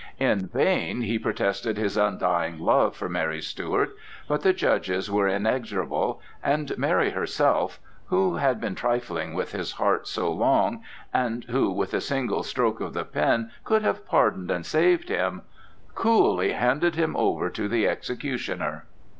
In vain he protested his undying love for Mary Stuart, but the judges were inexorable, and Mary herself, who had been trifling with his heart so long, and who with a single stroke of the pen could have pardoned and saved him, coolly handed him over to the executioner.